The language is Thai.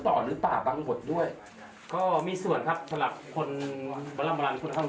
เป็นประหญ่าคนไเล่มรรณพี่ท่านแก่เค้าอ่านเล่าผาบัติกันมา